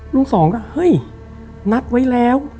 สองก็เฮ้ยนัดไว้แล้ว